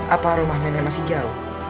apa rumah nenek masih jauh